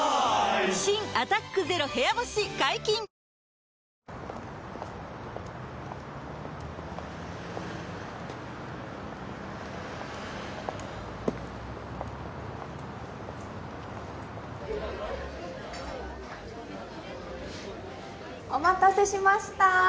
新「アタックＺＥＲＯ部屋干し」解禁‼お待たせしました